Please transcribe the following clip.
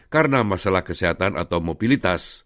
karena masalah kesehatan atau mobilitas